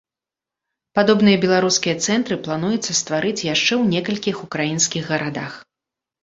Падобныя беларускія цэнтры плануецца стварыць яшчэ ў некалькіх украінскіх гарадах.